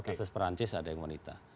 kasus perancis ada yang wanita